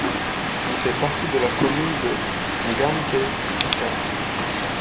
Il fait partie de la commune de Ngambè-Tikar.